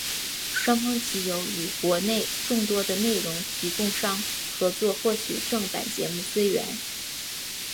双方藉由与国内众多的内容提供商合作获取正版节目资源。